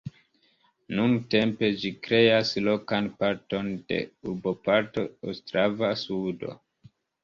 Nuntempe ĝi kreas lokan parton de urboparto Ostrava-Sudo.